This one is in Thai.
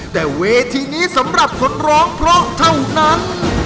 แต่เวทีนี้สำหรับคนร้องเพราะเท่านั้น